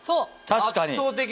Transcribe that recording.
確かに。